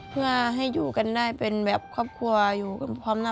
เพื่อให้อยู่กันได้เป็นแบบครอบครัวอยู่กันพร้อมหน้า